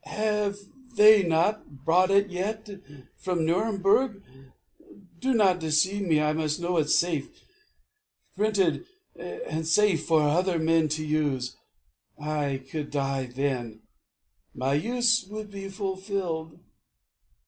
Have they not brought it yet? from Nuremberg. Do not deceive me. I must know it safe, Printed and safe, for other men to use. I could die then. My use would be fulfilled.